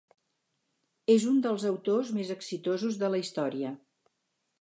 És un dels autors més exitosos de la història.